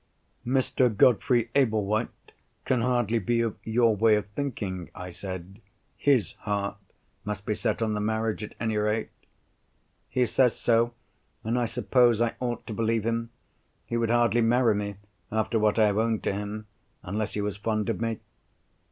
"Mr. Godfrey Ablewhite can hardly be of your way of thinking," I said. "His heart must be set on the marriage at any rate?" "He says so, and I suppose I ought to believe him. He would hardly marry me, after what I have owned to him, unless he was fond of me."